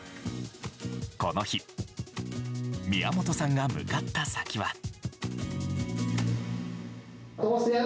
この日宮本さんが向かった先は。